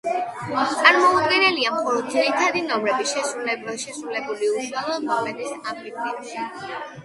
წარმოდგენილია მხოლოდ ძირითადი ნომრები, შესრულებული უშუალოდ პომპეის ამფითეატრში.